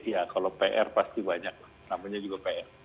ya kalau pr pasti banyak lah namanya juga pr